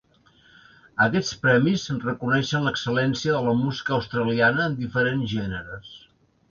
Aquests premis reconeixen l'excel·lència de la música australiana en diferents gèneres.